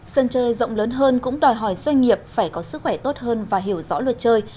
sân chơi rộng lớn hơn cũng đòi hỏi doanh nghiệp phải có sức khỏe tốt hơn và hiểu rõ luật chơi